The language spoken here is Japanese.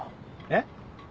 えっ？